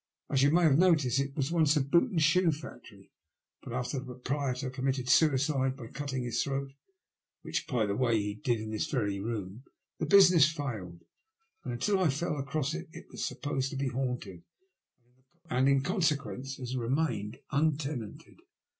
As you may have noticed, it was once a boot and shoe factory; but after the proprietor committed suicide by cutting his throat — which, by the way, he did in this very room — ^the business failed; and until I fell across it, it was supposed ta be haunted, and, in consequence, has remained untenanted."